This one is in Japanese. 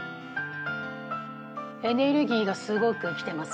エネルギーがすごく来てます